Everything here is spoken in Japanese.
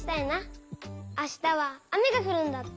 あしたはあめがふるんだって。